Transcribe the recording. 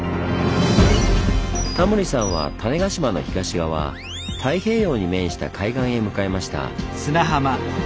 タモリさんは種子島の東側太平洋に面した海岸へ向かいました。